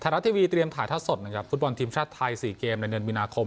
รัฐทีวีเตรียมถ่ายทอดสดนะครับฟุตบอลทีมชาติไทย๔เกมในเดือนมีนาคม